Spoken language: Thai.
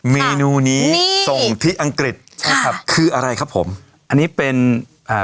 เมนูนี้ส่งที่อังกฤษใช่ครับคืออะไรครับผมอันนี้เป็นอ่า